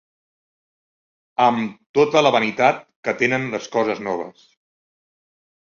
Am tota la vanitat que tenen les coses noves